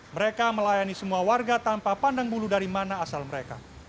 mereka melayani semua warga tanpa pandang bulu dari mana asal mereka